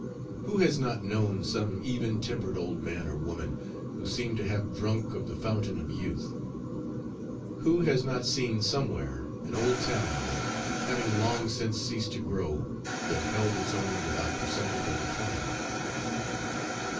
Who has not known some even tempered old man or woman who seemed to have drunk of the fountain of youth? Who has not seen somewhere an old town that, having long since ceased to grow, yet held its own without perceptible decline?